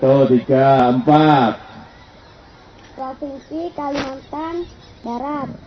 provinsi kalimantan barat